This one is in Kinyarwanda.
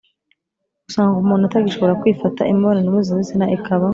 usanga umuntu atagishobora kwifata, imibonano mpuzabitsinda ikaba